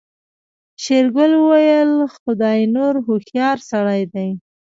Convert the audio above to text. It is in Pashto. شېرګل وويل خداينور هوښيار سړی دی.